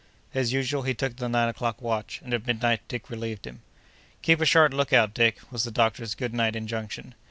As usual, he took the nine o'clock watch, and at midnight Dick relieved him. "Keep a sharp lookout, Dick!" was the doctor's good night injunction.